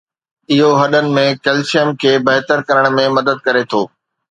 اهو هڏن ۾ ڪلسيم کي بهتر ڪرڻ ۾ مدد ڪري ٿو